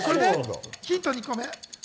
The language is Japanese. ヒント２個目。